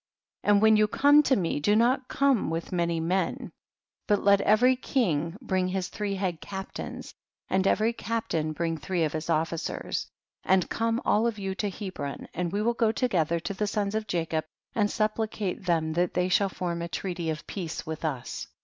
25. And when you come to me, do not come with many men, but let every king bring his three head cap tains, and every captam bring three of his officers. 26. And come all of you to He bron, and we will go together to the sons of Jacob, and supplicate them that they shall form a treaty of peace with us.